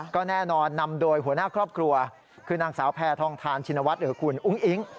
ก็แน่นอนนำโดยหัวหน้าครอบครัวคือนางสาวแพทองทานชินวัฒน์หรือคุณอุ้งอิ๊ง